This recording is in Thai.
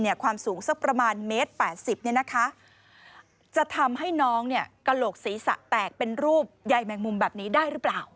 ความสูงสักประมาณเมตร๘๐จะทำให้น้องกระโหลกศีรษะแตกเป็นรูปใยแมงมุมแบบนี้ได้หรือเปล่า